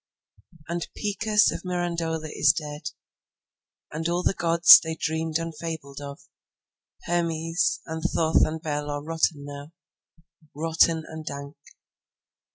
…And Picus of Mirandola is dead; And all the gods they dreamed and fabled of, Hermes, and Thoth and Bêl are rotten now, Rotten and dank.